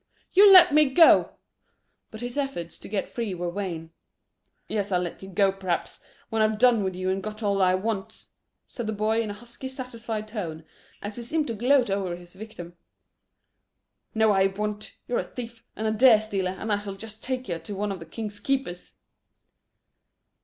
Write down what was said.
"You let me go." But his efforts to get free were vain. "Yes, I'll let you go, p'raps, when I've done with you and got all I wants," said the boy, in a husky, satisfied tone, as he seemed to gloat over his victim. "No, I won't; you're a thief, and a deer stealer, and I shall just take yer to one of the King's keepers."